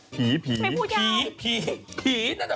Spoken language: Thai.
ผีไม่พูดยาว